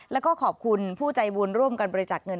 แล้วก็ขอบคุณผู้ใจบุญร่วมกันบริจาคเงิน